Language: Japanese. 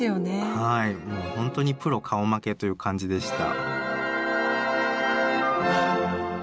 はいもうほんとにプロ顔負けという感じでした。